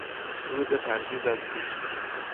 روز پرهیز از گوشت